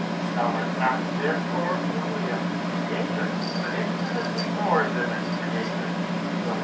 Thou art not thcrfore on ly a°Cfcat«>^ but infiniilv more then a Creator , tho*gr.